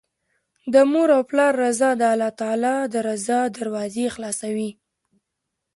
د مور او پلار رضا د الله تعالی د رضا دروازې خلاصوي